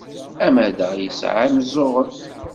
Amadaɣ yesɛa imeẓẓuɣen!